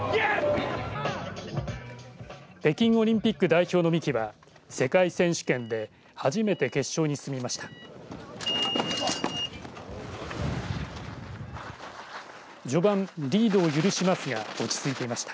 北京オリンピック代表の三木は世界選手権で初めて決勝に進みました。